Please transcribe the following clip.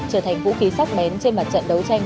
trở thành vũ khí sắc bén trên mặt trận đấu tranh